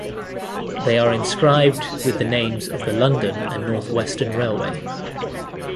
They are inscribed with the names of the London and North Western Railway.